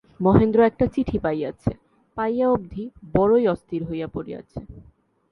মহেন্দ্র একটা চিঠি পাইয়াছে, পাইয়া অবধি বড়োই অস্থির হইয়া পড়িয়াছে।